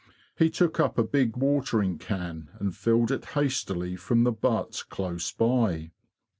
He took up a big watering can and filled it hastily from the butt close by.